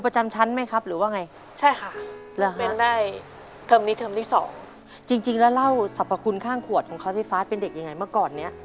จริงแล้วเล่าสรรพคุณข้างขวดของเขาที่ฟาดเป็นเด็กอย่างไรเมื่อก่อนนี้